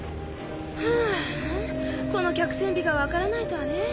ああこの脚線美が分からないとはね。